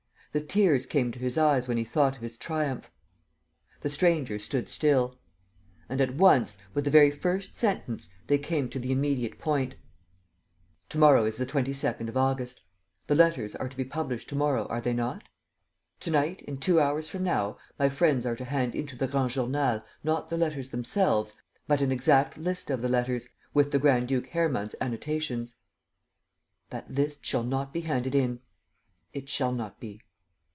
The tears came to his eyes when he thought of his triumph. ... The stranger stood still. And at once, with the very first sentence, they came to the immediate point: "To morrow is the 22nd of August. The letters are to be published to morrow, are they not?" "To night, in two hours from now, my friends are to hand in to the Grand Journal, not the letters themselves, but an exact list of the letters, with the Grand duke Hermann's annotations." "That list shall not be handed in." "It shall not be."